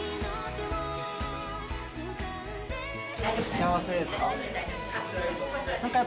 幸せですか？